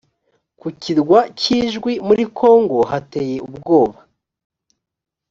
ku kirwa cy idjwi muri congo hateye ubwoba